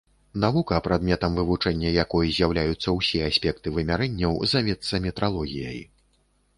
Навука, прадметам вывучэння якой з'яўляюцца ўсе аспекты вымярэнняў, завецца метралогіяй.